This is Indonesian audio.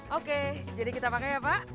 oke jadi kita pakai ya pak